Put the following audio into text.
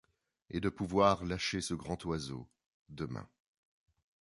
Et de pouvoir lâcher ce grand oiseau, Demain